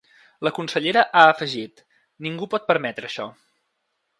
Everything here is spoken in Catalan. La consellera ha afegit: Ningú pot permetre això.